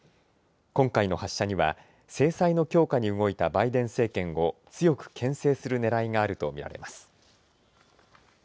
今回の発射には制裁の強化に動いたバイデン政権を強くけん制するねらいがあると見られます。